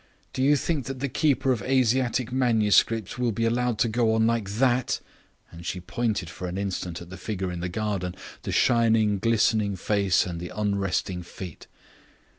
Do you think that the keeper of Asiatic manuscripts will be allowed to go on like that?" And she pointed for an instant at the figure in the garden, the shining, listening face and the unresting feet.